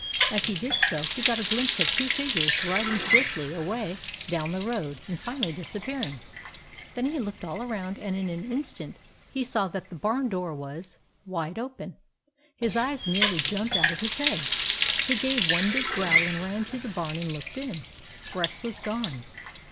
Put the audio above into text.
As he did so, he got a glimpse of two figures riding swiftly away down the road and finally dis appearing. Then he looked all around and in an instant he saw that the barn door was wide open. His eyes nearly jumped out of his head. He gave one big growl and ran to the barn and looked in. Rex was gone.